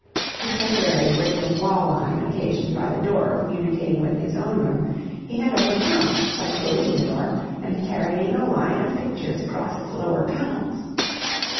The temporary break of wall line, occasioned by the door communicating with his own room, he had overcome by closing the door and carrying a line of pictures across its lower panels.